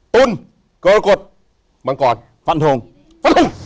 ตุลกรกฎมังกรฟันทงฟันทง